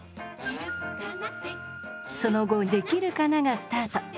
その後「できるかな」がスタート。